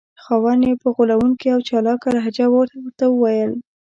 خاوند یې په غولونکې او چالاکه لهجه ورته وویل.